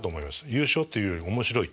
優勝というより面白い。